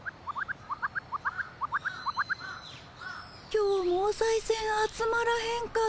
今日もおさいせん集まらへんかったね